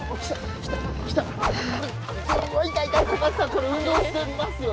これ運動してますよね。